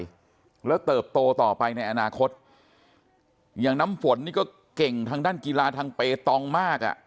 แล้วเติบโตต่อไปในอนาคตอย่างน้ำฝนนี่ก็เก่งทางด้านกีฬาทางเปตองมากอ่ะ